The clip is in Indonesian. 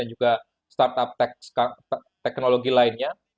juga startup teknologi lainnya